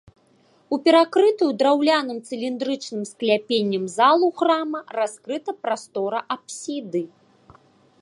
У перакрытую драўляным цыліндрычным скляпеннем залу храма раскрыта прастора апсіды.